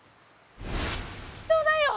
人だよ！